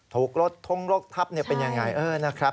ถูกรถทุ่งรถทัพเป็นอย่างไร